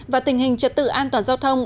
và tình hình trật tự an toàn giao thông